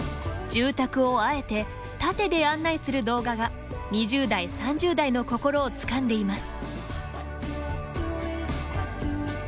住宅をあえて縦で案内する動画が２０代、３０代の心をつかんでいます。